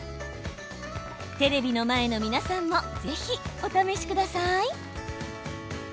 テレビの前の皆さんもぜひ、お試しください。